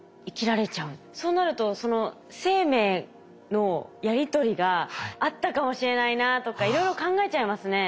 そうなると生命のやり取りがあったかもしれないなとかいろいろ考えちゃいますね。